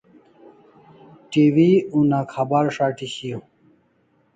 TV una khabar shati shiaw